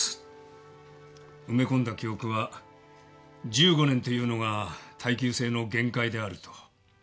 埋め込んだ記憶は１５年っていうのが耐久性の限界であると。